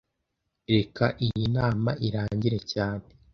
Reka iyi nama irangire cyane